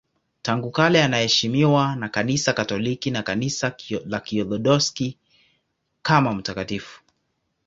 Tangu kale anaheshimiwa na Kanisa Katoliki na Kanisa la Kiorthodoksi kama mtakatifu.